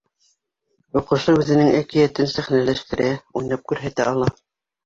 Уҡыусы үҙенең әкиәтен сәхнәләштерә, уйнап күрһәтә ала.